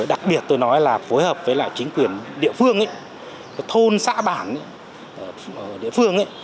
đặc biệt tôi nói là phối hợp với chính quyền địa phương thôn xã bản địa phương